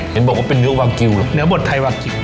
เห็นบอกว่าเป็นเนื้อวากิวเหรอเนื้อบดไทยวากิล